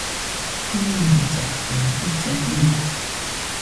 Fɨɨrillakɨno illa jira